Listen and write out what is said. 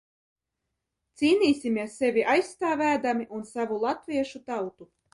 Cīnīsimies sevi aizstāvēdami un savu latviešu tautu.